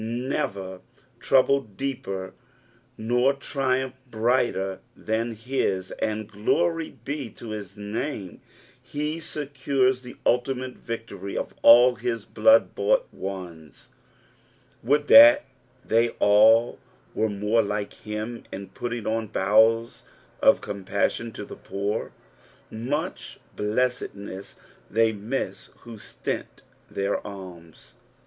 never /trouble deeper nor tnumph brighter than his, and glory be to his name, he 1 secures the ultimate victory of all his blood bought ones. Would that they I all were more like him in putting im bowels of compassion to the poor. Mech I blessedness thev miss who stint their alms.